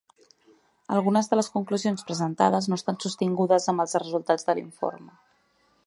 Algunes de les conclusions presentades no estan sostingudes amb els resultats de l'informe.